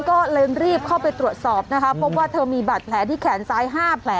ก็เร็นรีบเข้าไปตรวจสอบนะครับเพราะว่าเธอมีบัตรแผลที่แขนซ้าย๕แผล